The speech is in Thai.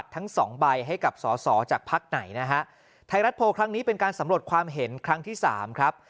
ทายรัตน์โพลครั้งนี้เป็นการสำรวจความเห็นครั้งที่สามครับ